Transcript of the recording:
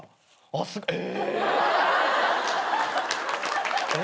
あっえ！？え！？